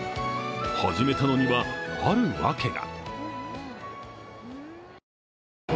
始めたのには、あるわけが。